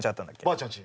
ばあちゃん